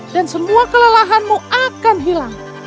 dan semua kelelahanmu akan hilang